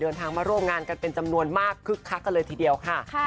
เดินทางมาร่วมงานกันเป็นจำนวนมากคึกคักกันเลยทีเดียวค่ะ